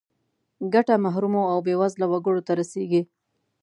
ګټه محرومو او بې وزله وګړو ته رسیږي.